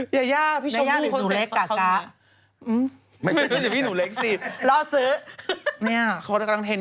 ยาย่าฮะเคลื่อนไหน